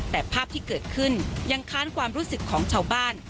แต่ภาพที่เกิดขึ้นยังค้านความรู้สึกของชาวบ้าน